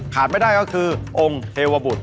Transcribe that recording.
ไม่ได้ก็คือองค์เทวบุตร